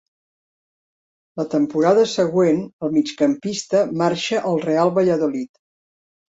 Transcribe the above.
La temporada següent, el migcampista marxa al Real Valladolid.